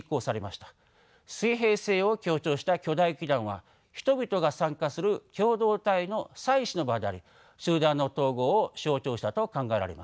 水平性を強調した巨大基壇は人々が参加する共同体の祭祀の場であり集団の統合を象徴したと考えられます。